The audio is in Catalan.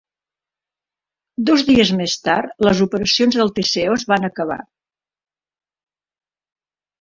Dos dies més tard, les operacions del Thesseus van acabar.